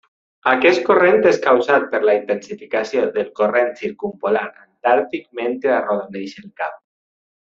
Aquest corrent és causat per la intensificació del Corrent Circumpolar Antàrtic mentre arrodoneix el cap.